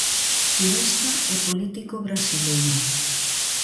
Xurista e político brasileiro.